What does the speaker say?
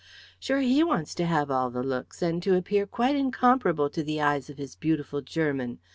Sure, he wants to have all the looks and to appear quite incomparable to the eyes of his beautiful German.